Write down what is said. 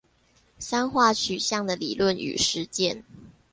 三化取向的理論與實踐